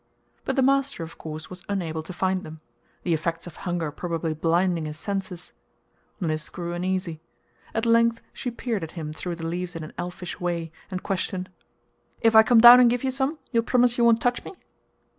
But the master, of course, was unable to find them; the effects of hunger probably blinding his senses. Mliss grew uneasy. At length she peered at him through the leaves in an elfish way, and questioned: "If I come down and give you some, you'll promise you won't touch me?"